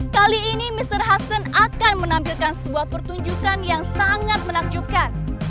kali ini mr hasan akan menampilkan sebuah pertunjukan yang sangat menakjubkan